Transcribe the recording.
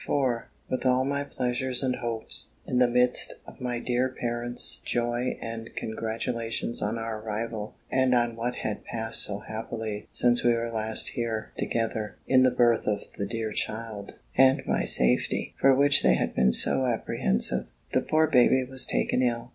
For, with all my pleasures and hopes; in the midst of my dear parents' joy and congratulations on our arrival, and on what had passed so happily since we were last here together, (in the birth of the dear child, and my safety, for which they had been so apprehensive,) the poor baby was taken ill.